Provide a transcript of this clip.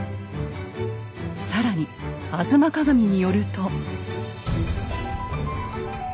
更に「吾妻鏡」によると。